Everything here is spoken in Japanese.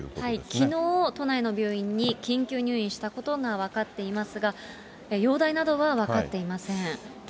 きのう、都内の病院に緊急入院したことが分かっていますが、容体などは分かっていません。